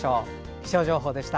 気象情報でした。